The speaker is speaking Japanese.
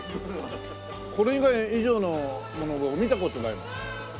これ以上のものを僕見た事ないもん。